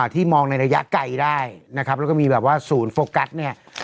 ที่มองในระยะไกลได้นะครับแล้วก็มีแบบว่าศูนย์โฟกัสเนี่ย